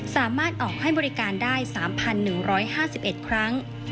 สามารถออกให้บริการได้๓๑๕๑ครั้ง